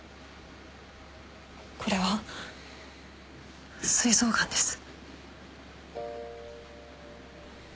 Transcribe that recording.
これは膵臓がんです。